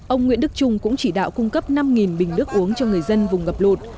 ông nguyễn đức trung cũng chỉ đạo cung cấp năm bình nước uống cho người dân vùng ngập lụt